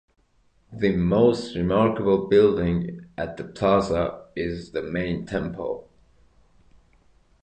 The most remarkable building at the plaza is the main temple.